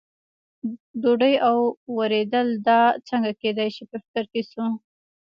ډوډۍ او ورېدل، دا څنګه کېدای شي، په فکر کې شو.